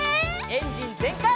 エンジンぜんかい！